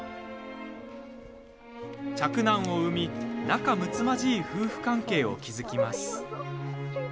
嫡男を産み、仲むつまじい夫婦関係を築きます。